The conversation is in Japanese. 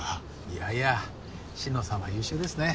いやいや心野さんは優秀ですね。